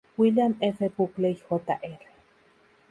William F. Buckley, Jr.